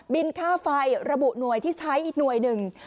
ค่าไฟระบุหน่วยที่ใช้อีกหน่วยหนึ่ง